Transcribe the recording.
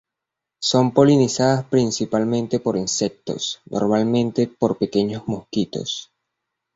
Son polinizadas principalmente por insectos, normalmente por pequeños mosquitos.